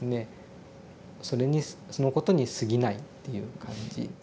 そのことにすぎないっていう感じ。